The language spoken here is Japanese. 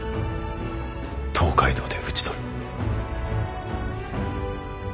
東海道で討ち取る。